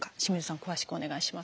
詳しくお願いします。